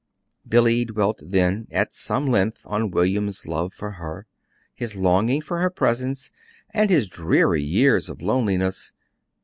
Billy dwelt then at some length on William's love for her, his longing for her presence, and his dreary years of loneliness....